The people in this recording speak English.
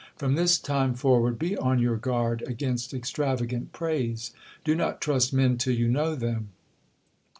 From this time forward be on your guard against extravagant praise. Do not trust men till you know them.